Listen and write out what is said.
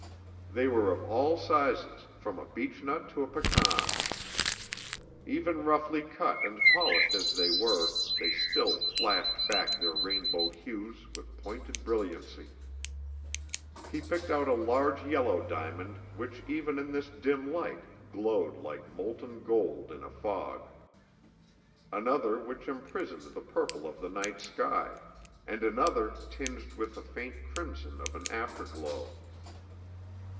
They were of all sizes from a beechnut to a pecan. Even roughly cut and polished as they were, they still flashed back their rainbow hues with pointed brilliancy. He picked out a large yellow diamond which even in this dim light glowed like molten gold in a fog; another which imprisoned the purple of the night sky; and another tinged with the faint crimson of an afterglow.